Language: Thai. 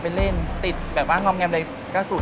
เพื่อนบ้านค่ะระแวกนั้น